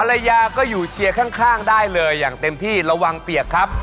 ภรรยาก็อยู่เชียร์ข้างได้เลยอย่างเต็มที่ระวังเปียกครับ